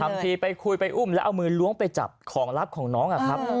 บางทีไปคุยไปอุ้มแล้วเอามือล้วงไปจับของลับของน้องอะครับ